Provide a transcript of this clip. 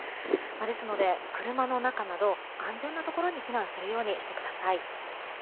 ですので、車の中など安全なところに避難するようにしてください。